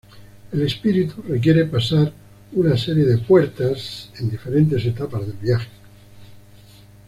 El espíritu requiere pasar una serie de "puertas" en diferentes etapas del viaje.